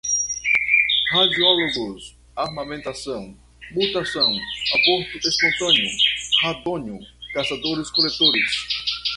radiológicos, amamentação, mutação, aborto espontâneo, radônio, caçadores-coletores